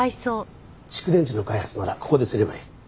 蓄電池の開発ならここですればいい。